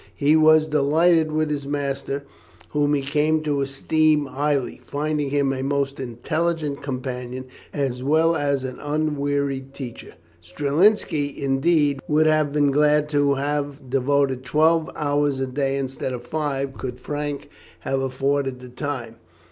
He was delighted with his master, whom he came to esteem highly, finding him a most intelligent companion as well as an unwearied teacher. Strelinski, indeed, would have been glad to have devoted twelve hours a day instead of five, could Frank have afforded the time.